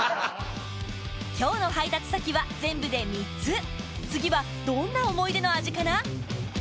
今日の配達先は全部で３つ次はどんな想い出の味かな？